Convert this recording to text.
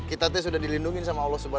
kita tuh sudah dilindungi sama allah swt